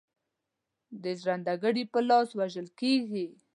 د ژرند ګړي په لاس وژل کیږي.